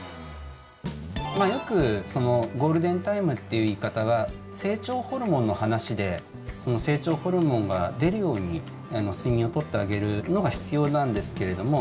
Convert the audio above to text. よくゴールデンタイムっていう言い方は成長ホルモンの話で成長ホルモンが出るように睡眠を取ってあげるのが必要なんですけれども。